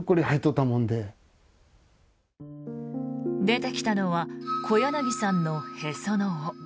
出てきたのは小柳さんのへその緒。